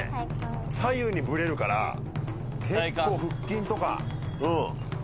左右にブレるから結構腹筋とかうん。